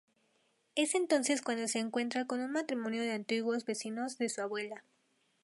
Es entonces cuando se encuentra con un matrimonio de antiguos vecinos de su abuela.